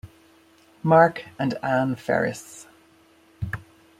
Mark and Anne Ferris.